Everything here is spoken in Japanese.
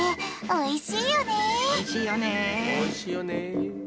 おいしいよね。